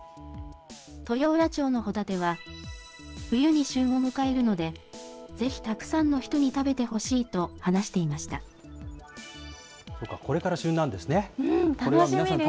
豊浦町のホタテは、冬に旬を迎えるので、ぜひたくさんの人に食べそうか、これから旬なんです楽しみです。